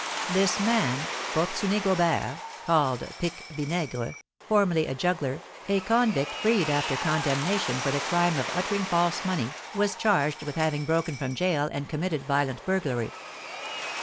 This man, Fortuné Gobert, called Pique Vinaigre, formerly a juggler, a convict freed after condemnation for the crime of uttering false money, was charged with having broken from gaol and committed violent burglary.